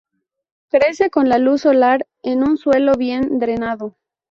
Crece con la luz solar en un suelo bien drenado.